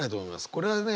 これはね